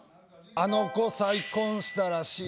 「あの娘再婚したらしい」